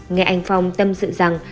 nghe anh phong tâm sự rằng